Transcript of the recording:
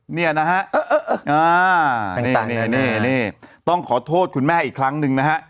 เนี่ยนะฮะนี่ต้องขอโทษคุณแม่อีกครั้งหนึ่งนะฮะ